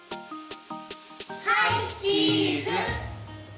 はいチーズ！